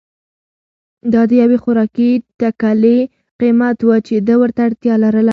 دا د یوې خوراکي ټکلې قیمت و چې ده ورته اړتیا لرله.